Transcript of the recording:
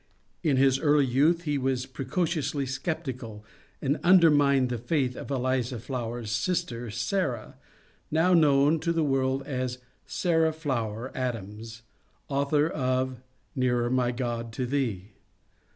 In his early youth he was preco ciously sceptical, and undermined the faith of Eliza Flower's sister, Sarah, now known to the world as Sarah Flower Adams, author of " Nearer, my God, to Thee